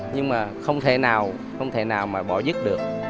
nhưng mà không thể nào không thể nào mà bỏ dứt được